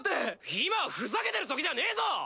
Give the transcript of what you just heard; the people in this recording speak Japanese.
今はフザけてる時じゃねえぞ！